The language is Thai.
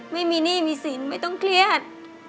ไม่มีหนี้มีสินไม่ต้องเครียด